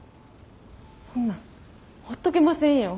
そんなほっとけませんよ。